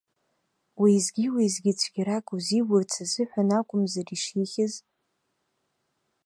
Уеизгьы-уеизгьы цәгьарак узиурц азыҳәан акәымзар ишихьыз?